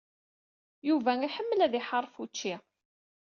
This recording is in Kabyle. Yuba iḥemmel ad iḥaṛef učči.